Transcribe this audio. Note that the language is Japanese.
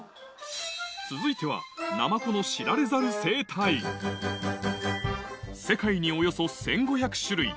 続いてはナマコの知られざる生態世界におよそ１５００種類